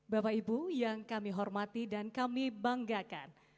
bapak ibu yang kami hormati dan kami banggakan